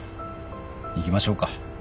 行きましょうか。